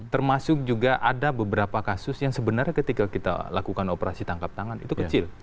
termasuk juga ada beberapa kasus yang sebenarnya ketika kita lakukan operasi tangkap tangan itu kecil